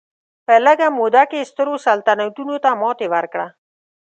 په لږه موده کې یې سترو سلطنتونو ته ماتې ورکړه.